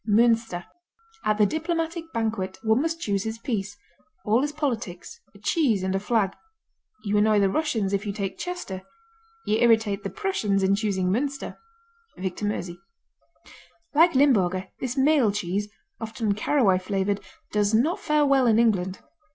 Münster At the diplomatic banquet One must choose his piece. All is politics, A cheese and a flag. You annoy the Russians If you take Chester; You irritate the Prussians In choosing Münster. Victor Meusy Like Limburger, this male cheese, often caraway flavored, does not fare well in England.